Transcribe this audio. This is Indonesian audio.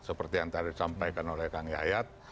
seperti yang tadi disampaikan oleh kang yayat